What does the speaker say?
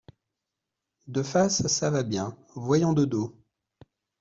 De face, ça va bien ; voyons de dos.